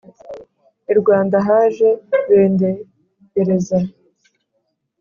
I Rwanda haje bendegereza :